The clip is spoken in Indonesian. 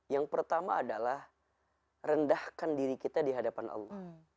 yang pertama adalah rendahkan diri kita di hadapan allah